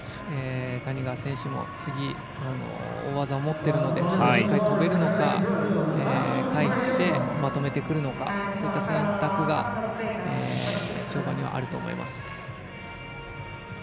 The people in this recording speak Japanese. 谷川選手も次大技を持っているのでしっかり跳べるのか回避して、まとめてくるのかそういった選択が跳馬にはあると思います。